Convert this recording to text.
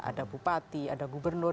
ada bupati ada gubernur